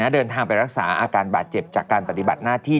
เดินทางไปรักษาอาการบาดเจ็บจากการปฏิบัติหน้าที่